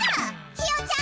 ひよちゃん